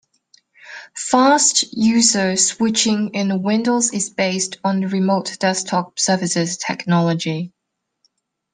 Fast user switching in Windows is based on Remote Desktop Services technology.